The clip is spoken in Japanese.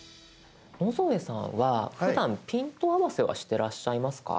野添さんはふだんピント合わせはしてらっしゃいますか？